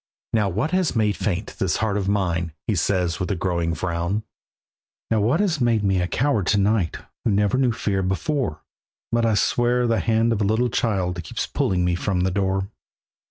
"Now what has made faint this heart of mine?" He says with a growing frown. "Now what has made me a coward to night, Who never knew fear before? But I swear that the hand of a little child Keeps pulling me from the door."